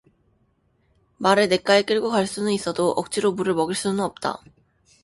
말을 냇가에 끌고 갈 수는 있어도 억지로 물을 먹일 수는 없다